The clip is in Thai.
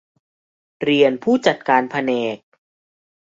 เรียนผู้จัดการแผนก